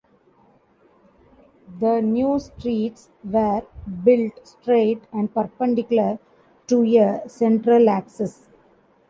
The new streets were built straight and perpendicular to a central axis.